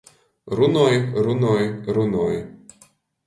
Runoj, runoj, runoj.